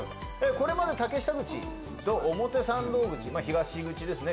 これまで竹下口と表参道口東口ですね。